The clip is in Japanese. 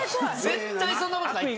絶対そんな事ないって。